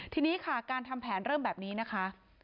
ทีนี้ค่ะการทำแผนเริ่มแบบนี้นะคะ